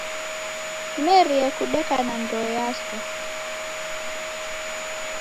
Simerie kudeka na ndoe yaswa!